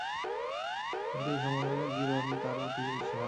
কিন্তু, এই শিশু সম্বন্ধে কিরণ তাহার প্রতি বিশ্বাস হারাইয়াছে।